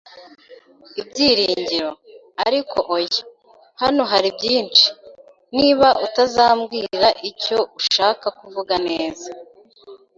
ibyiringiro! Ariko oya, hano haribyinshi. Niba utazambwira icyo ushaka kuvuga neza,